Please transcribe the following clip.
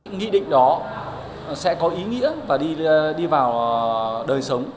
nghị định đó sẽ có ý nghĩa và đi vào đời sống